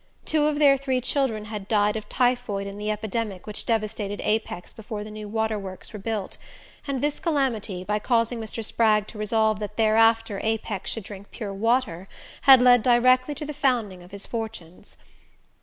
Two of their three children had died of typhoid in the epidemic which devastated Apex before the new water works were built; and this calamity, by causing Mr. Spragg to resolve that thereafter Apex should drink pure water, had led directly to the founding of his fortunes.